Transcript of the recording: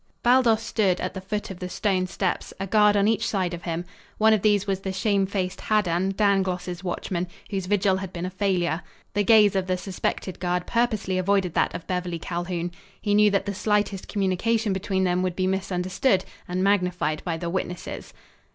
Baldos stood at the foot of the stone steps, a guard on each side of him. One of these was the shamefaced Haddan, Dangloss's watchman, whose vigil had been a failure. The gaze of the suspected guard purposely avoided that of Beverly Calhoun. He knew that the slightest communication between them would be misunderstood and magnified by the witnesses.